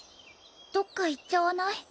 どっか行っちゃわない？